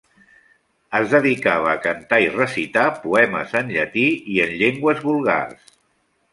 Es dedicava a cantar i recitar poemes en llatí i en llengües vulgars.